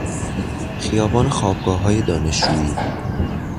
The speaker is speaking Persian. خیابان خوابگاههای دانشجویی